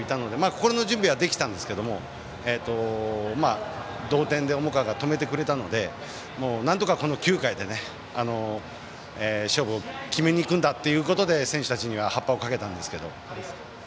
心の準備はできていたんですけど同点で重川が止めてくれたのでなんとか９回で勝負を決めに行くんだということで選手たちには発破をかけたんですけど。